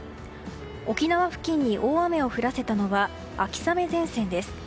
沖縄付近に大雨を降らせたのは秋雨前線です。